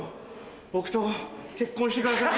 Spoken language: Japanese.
僕と結婚してください。